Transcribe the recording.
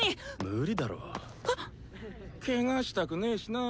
⁉ケガしたくねーしなぁ。